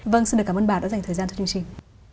vâng xin được cảm ơn bà đã dành thời gian cho chương trình